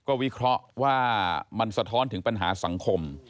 ก็วิเคราะห์ว่ามันสะท้อนถึงปัญหาสังคม